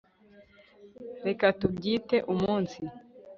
reka tubyite umunsi